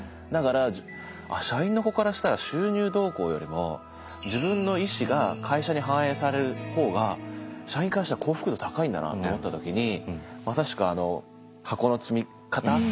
だから社員の子からしたら収入どうこうよりも自分の意志が会社に反映される方が社員からしたら幸福度高いんだなって思った時にまさしくあの箱の積み方。